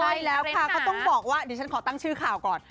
ใช่แล้วค่ะเขาต้องบอกว่าเดี๋ยวฉันขอตั้งชื่อข่าวก่อน